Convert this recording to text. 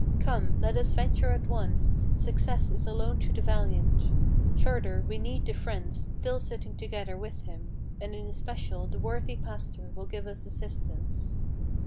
Come, let us venture at once: success is alone to the valiant! Further we need the friends, still sitting together there with him; And in especial the worthy pastor will give us assistance."